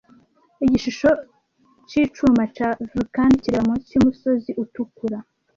Igishusho c'icuma ca Vulcan kireba munsi y'umusozi utukura